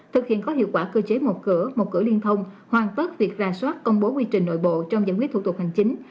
thực hiện có hiệu quả cơ chế một cửa một cửa liên thông hoàn tất việc ra soát công bố quy trình nội bộ trong giải quyết thủ tục hành chính